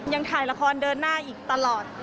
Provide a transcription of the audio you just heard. ยังถ่ายละครเดินหน้าอีกตลอด